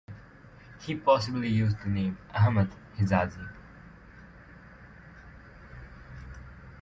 He possibly used the name "Ahmed Hijazi".